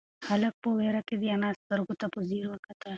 هلک په وېره کې د انا سترگو ته په ځير وکتل.